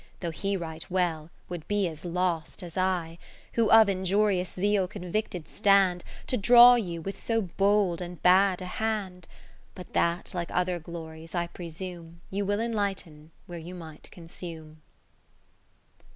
Though he write well, would be as lost as I, Who of injurious Zeal convicted stand. To draw you with so bold and bad a hand ; 150 But that, like other glories, I presume You will enlighten, where you might consume.